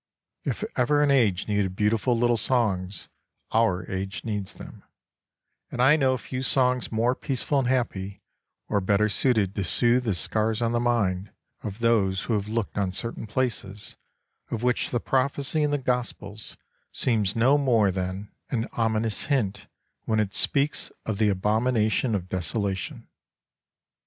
If ever an age needed beautiful little songs our age needs them; and I know few songs more peaceful and happy, or better suited to soothe the scars on the mind of those who have looked on certain places, of which the prophecy in the gospels seems no more than 17 l8 INTRODUCTION an ominous hint when it speaks of the abomi nation of desolation.